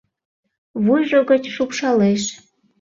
Вуйжо гыч шупшалеш.